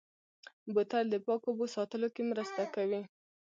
بوتل د پاکو اوبو ساتلو کې مرسته کوي.